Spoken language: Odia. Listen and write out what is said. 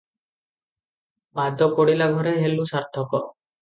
ପାଦ ପଡ଼ିଲା ଘରେ ହେଲୁ ସାର୍ଥକ ।